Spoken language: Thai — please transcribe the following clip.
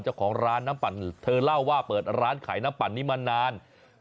เจ้าของร้านน้ำปั่นเธอเล่าว่าเปิดร้านขายน้ำปั่นนี้มานาน